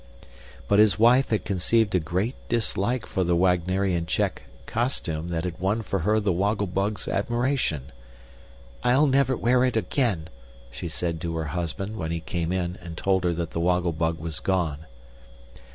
But his wife had conceived a great dislike for the Wagnerian check costume that had won for her the Woggle Bug's admiration. "I'll never wear it again!" she said to her husband, when he came in and told her that the Woggle Bug was gone.